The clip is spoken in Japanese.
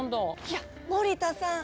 いや森田さん！